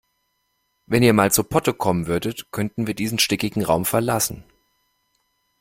Wenn ihr mal zu Potte kommen würdet, könnten wir diesen stickigen Raum verlassen.